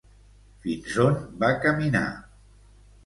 Fins on va caminar?